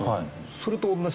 それと同じ。